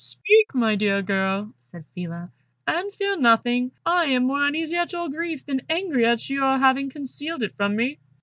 "Speak, my dear girl," said Phila, "and fear nothing. I am more uneasy at your grief than angry at your having concealed it from me."